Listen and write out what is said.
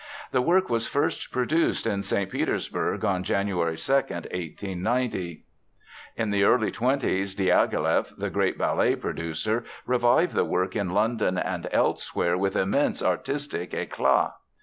The work was first produced in St. Petersburg on January 2, 1890. In the early twenties, Diaghileff, the great ballet producer, revived the work in London and elsewhere with immense artistic éclat.